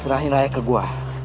serahi raya ke gua